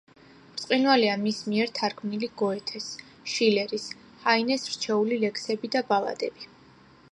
ბრწყინვალეა მის მიერ თარგმნილი გოეთეს, შილერის, ჰაინეს რჩეული ლექსები და ბალადები.